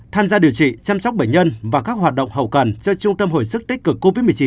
tham gia điều trị chăm sóc bệnh nhân và các hoạt động hậu cần cho trung tâm hồi sức tích cực covid một mươi chín